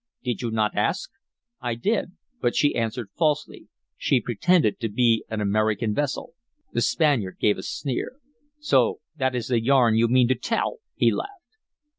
"Did you not ask?" "I did. But she answered falsely. She pretended to be an American vessel " The Spaniard gave a sneer. "So that is the yarn you mean to tell," he laughed.